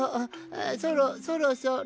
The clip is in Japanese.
そろそろそろ。